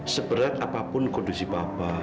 seberat apapun kondisi papa